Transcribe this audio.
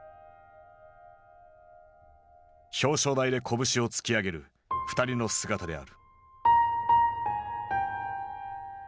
表彰台で拳を突き上げる２人の姿である。